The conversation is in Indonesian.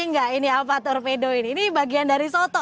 nggak ini apa torpedo ini bagian dari soto lo ini eines